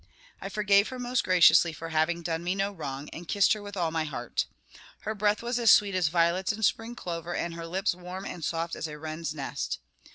I forgave her most graciously for having done me no wrong, and kissed her with all my heart. Her breath was as sweet as violets in Spring clover, and her lips warm and soft as a wren's nest.